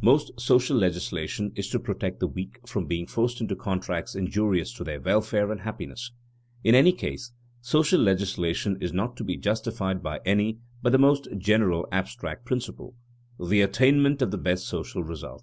Most social legislation is to protect the weak from being forced into contracts injurious to their welfare and happiness. In any case, social legislation is not to be justified by any but the most general abstract principle, the attainment of the best social result.